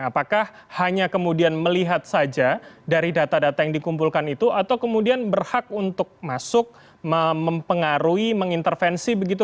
apakah hanya kemudian melihat saja dari data data yang dikumpulkan itu atau kemudian berhak untuk masuk mempengaruhi mengintervensi begitu